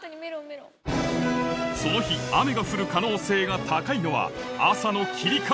その日雨が降る可能性が高いのは朝の霧か？